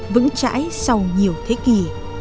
vẫn trải sau nhiều thế kỷ